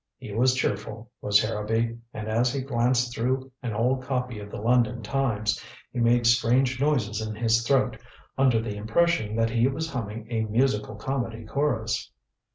He was cheerful, was Harrowby, and as he glanced through an old copy of the London Times he made strange noises in his throat, under the impression that he was humming a musical comedy chorus.